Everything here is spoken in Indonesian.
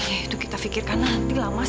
itu kita pikirkan nanti lah mas